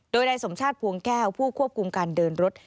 โดยนายสมชาติภวงแก้วผู้ควบคุมการเดินรถ